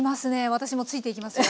私もついていきますよ。